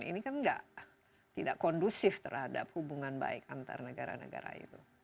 ini kan tidak kondusif terhadap hubungan baik antar negara negara itu